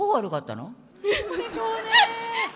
どこでしょうね。